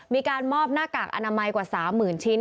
มีการมอบหน้ากากอนามัยกว่า๓๐๐๐ชิ้น